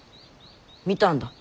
見たんだ。